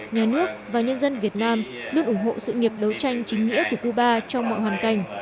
nhà nước và nhân dân việt nam luôn ủng hộ sự nghiệp đấu tranh chính nghĩa của cuba trong mọi hoàn cảnh